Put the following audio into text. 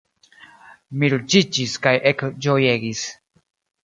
Mi ruĝiĝis kaj ekĝojegis.